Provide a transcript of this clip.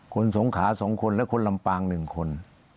สงขา๒คนและคนลำปาง๑คน